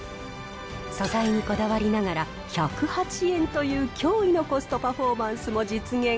素材にこだわりながら、１０８円という驚異のコストパフォーマンスも実現。